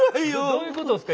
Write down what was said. どういうことですか？